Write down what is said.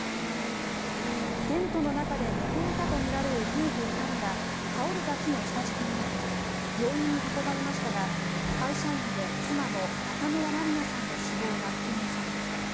テントの中で寝ていたとみられる夫婦２人が倒れた木の下敷きになり病院に運ばれましたが会社員で妻の中村まりなさんの死亡が確認されました。